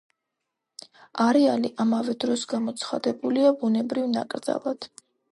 არეალი ამავე დროს გამოცხადებულია ბუნებრივ ნაკრძალად.